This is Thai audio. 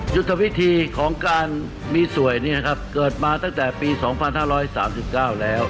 ยุทธวิธีของการมีสวยเกิดมาตั้งแต่ปี๒๕๓๙แล้ว